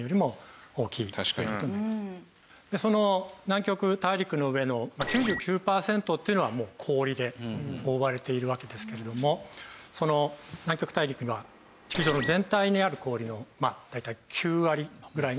その南極大陸の上の９９パーセントっていうのは氷で覆われているわけですけれどもその南極大陸には地球上の全体にある氷の大体９割ぐらいがあると。